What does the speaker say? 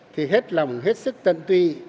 thì hết lòng hết sức tân tuy